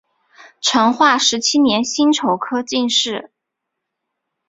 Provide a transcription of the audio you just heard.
成化十七年辛丑科进士。